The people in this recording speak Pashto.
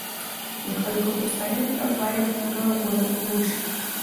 د خلکو هوساینې ته باید پوره غور وشي.